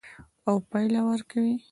او پایله ورکوي.